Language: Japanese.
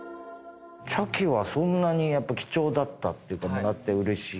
茶器はそんなにやっぱ貴重だったっていうかもらって嬉しい。